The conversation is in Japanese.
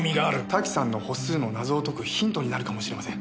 瀧さんの歩数の謎を解くヒントになるかもしれません。